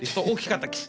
大きかった。